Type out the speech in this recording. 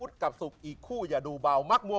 กับศุกร์อีกคู่อย่าดูเบามักมัว